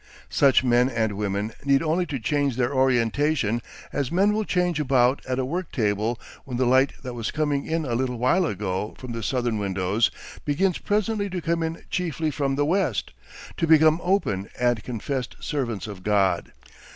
... Such men and women need only to change their orientation as men will change about at a work table when the light that was coming in a little while ago from the southern windows, begins presently to come in chiefly from the west, to become open and confessed servants of God.